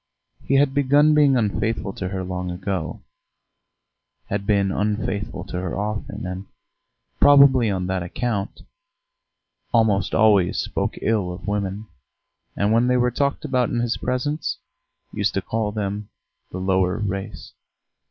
He had begun being unfaithful to her long ago had been unfaithful to her often, and, probably on that account, almost always spoke ill of women, and when they were talked about in his presence, used to call them "the lower race."